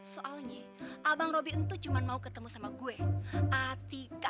soalnya abang roby itu cuma mau ketemu sama gue